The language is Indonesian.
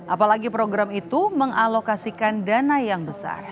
apalagi program itu mengalokasikan dana yang besar